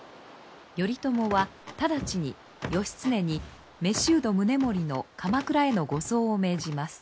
頼朝は直ちに義経に囚人宗盛の鎌倉への護送を命じます。